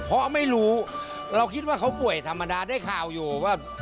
เพราะไม่รู้เราคิดว่าเขาป่วยธรรมดาได้ข่าวอยู่ว่า